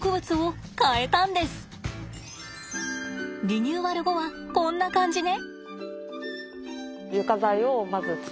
リニューアル後はこんな感じね。